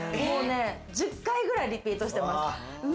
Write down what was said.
１０回くらいリピートしてます。